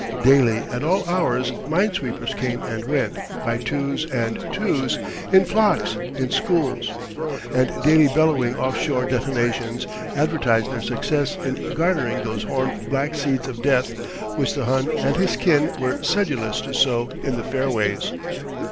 Daily, at all hours, mine sweepers came and went, by twos and twos, in flocks, in schools; and daily bellowing offshore detonations advertised their success in garnering those horned black seeds of death which the Hun and his kin were sedulous to sow in the fairways.